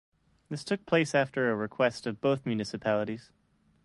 This took place after a request of both municipalities.